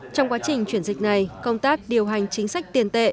trong quá trình chuyển dịch này công tác điều hành chính sách tiền tệ